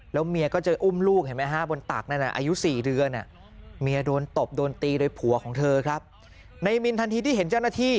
แล้วเมียก็จะอุ้มลูกไหนฮะบนตากอายุ๔เรือนเนี่ยเมียโดนตบโดนตีโดยผัวของเธอครับในมิลทันทีที่เห็นเจ้านาธิ